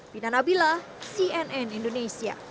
bina nabilah cnn indonesia